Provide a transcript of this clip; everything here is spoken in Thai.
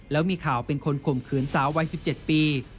แล้วมีข่าวเป็นคนข่มขืนสาววัย๑๗ปี